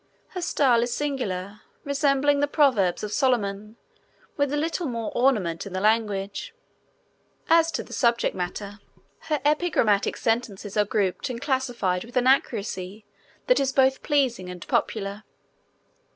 Her style is singular, resembling the proverbs of Solomon, with a little more ornament in the language. As to the subject matter, her epigrammatic sentences are grouped and classified with an accuracy that is both pleasing and popular.